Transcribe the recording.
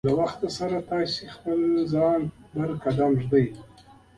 له وخت سره ستاسو خپل ځان بهر قدم ږدي.